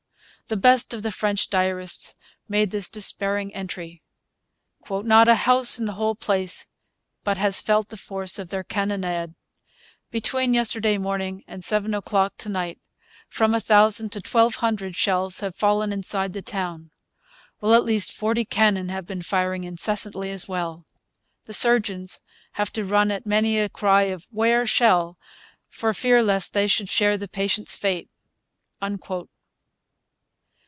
The best of the French diarists made this despairing entry: 'Not a house in the whole place but has felt the force of their cannonade. Between yesterday morning and seven o'clock to night from a thousand to twelve hundred shells have fallen inside the town, while at least forty cannon have been firing incessantly as well. The surgeons have to run at many a cry of 'Ware Shell! for fear lest they should share the patients' fate.'